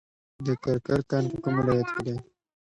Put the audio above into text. د کرکر کان په کوم ولایت کې دی؟